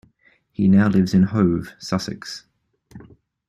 He now lives in Hove, Sussex.